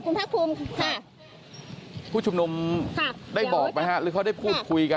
คุณภาคภูมิค่ะผู้ชุมนุมค่ะได้บอกไหมฮะหรือเขาได้พูดคุยกัน